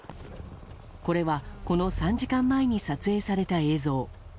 これは、この３時間前に撮影された映像。